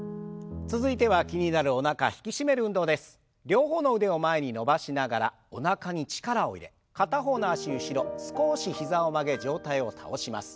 両方の腕を前に伸ばしながらおなかに力を入れ片方の脚後ろ少し膝を曲げ上体を倒します。